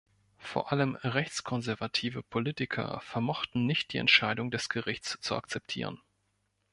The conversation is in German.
Vor allem rechts-konservative Politiker vermochten nicht die Entscheidung des Gerichts zu akzeptieren.